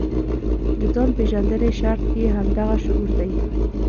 د ځان پېژندنې شرط یې همدغه شعور دی.